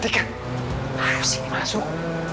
tiket harus masuk